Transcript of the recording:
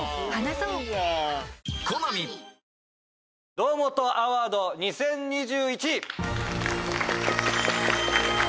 堂本アワード２０２１！